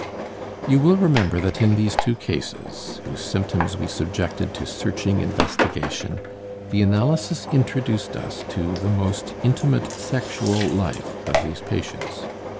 You will remember that in these two cases, whose symptoms we subjected to searching investigation, the analysis introduced us to the most intimate sexual life of these patients.